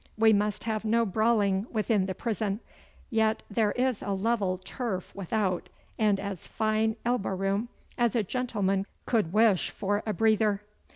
We must have no brawling within the prison. Yet there is a level turf without, and as fine elbow room as a gentleman could wish for a breather.